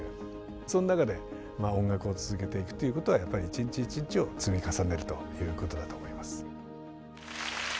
その中で音楽を続けていくということはやっぱり一日一日を積み重ねるということだと思います。